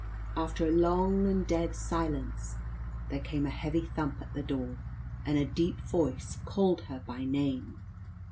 After a long and dead silence, there came a heavy thump at the door, and a deep voice called her by name.